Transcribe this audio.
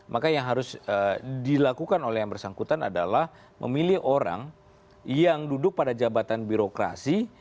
maka yang harus dilakukan oleh yang bersangkutan adalah memilih orang yang duduk pada jabatan birokrasi